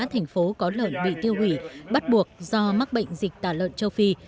thành phố có lợn bị tiêu hủy bắt buộc do mắc bệnh dịch tả lợn châu phi